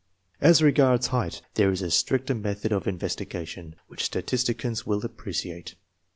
As regards height, there is a stricter method of in vestigation, which statisticians will appreciate.